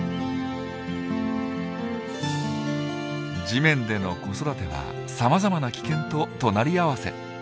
地面での子育てはさまざまな危険と隣り合わせ。